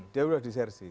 dia udah disersi